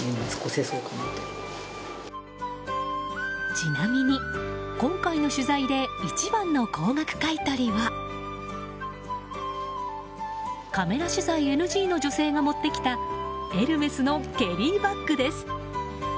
ちなみに今回の取材で一番の高額買い取りはカメラ取材ＮＧの女性が持ってきたエルメスのケリーバッグです。